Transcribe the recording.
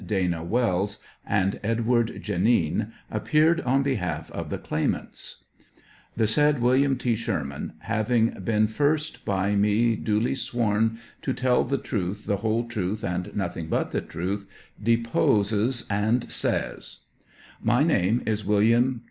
Dana Wells, and Edward Janin appeared on behalf of the claimants. The said Wm. T. Sherman, having been first by me duly sworn tO: tell the truth, the whole truth; and noth ing but the truth, deposes and says : My name is Wm.